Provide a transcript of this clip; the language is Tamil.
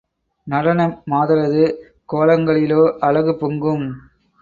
நடன மாதரது கோலங்களிலோ அழகு பொங்கும்.